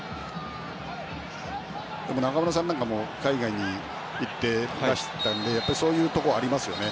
中村さんも海外に行ってましたのでそういうところありますよね。